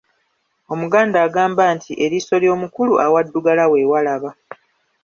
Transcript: Omuganda agamba nti ,eriiso ly'omukulu awaddugala we walaba.